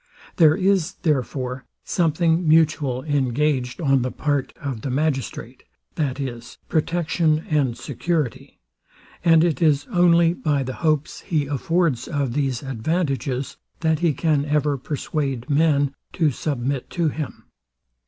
There is, therefore, something mutual engaged on the part of the magistrate, viz, protection and security; and it is only by the hopes he affords of these advantages, that he can ever persuade men to submit to him.